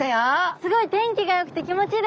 すごい天気がよくて気持ちいいですね。